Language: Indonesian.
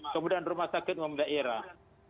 kemudian rumah sakit umum daerah